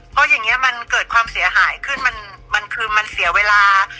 เพราะอย่างนี้มันเกิดความเสียหายขึ้นมันคือมันเสียเวลา